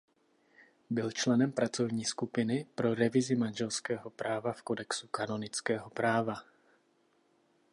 Byl členem pracovní skupiny pro revizi manželského práva v Kodexu kanonického práva.